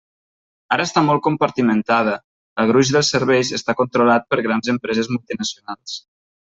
Ara està molt compartimentada, el gruix dels serveis està controlat per grans empreses multinacionals.